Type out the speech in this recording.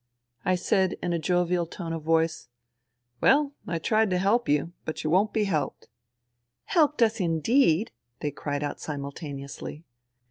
I said in a jovial tone of voice :" Well, I tried to help you. But you won't be helped." " Helped us indeed !" they cried out simultane ously.